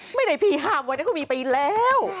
ไม่ได้พี่ห้ามไว้นะก็มีปีแล้ว